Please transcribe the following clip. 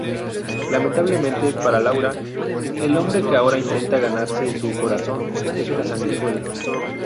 Lamentablemente para Laura, el hombre que ahora intenta ganarse su corazón es una sanguijuela.